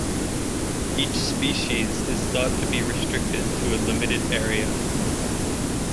Each species is thought to be restricted to a limited area.